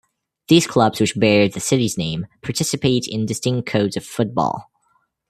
These clubs which bear the city's name participate in distinct codes of football.